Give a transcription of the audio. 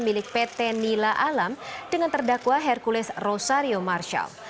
milik pt nila alam dengan terdakwa hercules rosario marshall